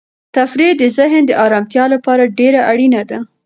تفریح د ذهن د ارامتیا لپاره ډېره اړینه ده.